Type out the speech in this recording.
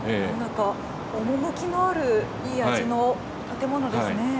趣のあるいい味の建物ですね。